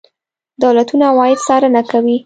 دولتونه عواید څارنه کوي.